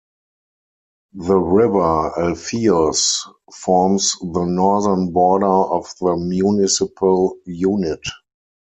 The river Alfeios forms the northern border of the municipal unit.